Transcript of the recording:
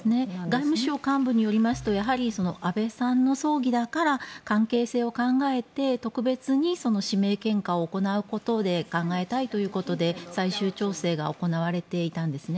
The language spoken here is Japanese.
外務省幹部によりますと安倍さんの葬儀だから関係性を考えて特別に指名献花を行うことで考えたいということで最終調整が行われていたんです。